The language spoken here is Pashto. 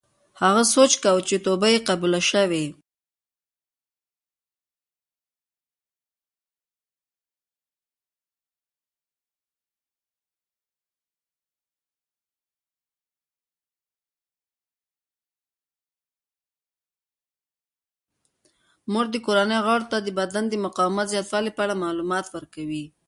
مور د کورنۍ غړو ته د بدن د مقاومت زیاتولو په اړه معلومات ورکوي.